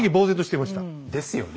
ですよね。